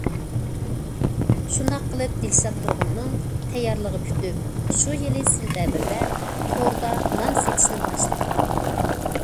شۇنداق قىلىپ دىلشات تۇرغۇننىڭ تەييارلىقى پۈتۈپ، شۇ يىلى سېنتەبىردە توردا نان سېتىشنى باشلىدى.